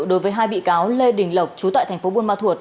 đối với hai bị cáo lê đình lộc chú tại thành phố buôn ma thuột